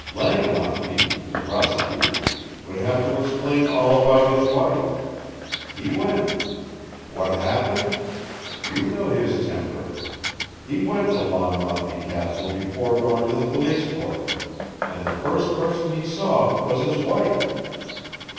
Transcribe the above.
Langwathby, to prosecute, would have to explain all about his wife. He went. What happened! You know his temper. He went to Langwathby Castle before going to the police court, and the first person he saw was his wife.